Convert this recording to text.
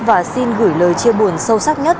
và xin gửi lời chia buồn sâu sắc nhất